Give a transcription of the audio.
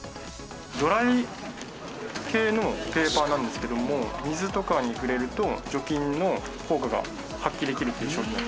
ドライ系のペーパーなんですけども水とかに触れると除菌の効果が発揮できるという商品になってます。